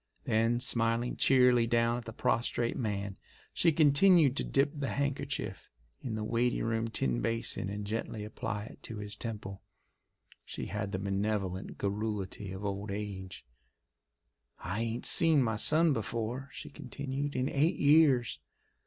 Then smiling cheerily down at the prostrate man, she continued to dip the handkerchief, in the waiting room tin washbasin and gently apply it to his temple. She had the benevolent garrulity of old age. "I ain't seen my son before," she continued, "in eight years.